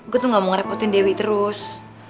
gue tuh gak mau ngerepotin dewi terus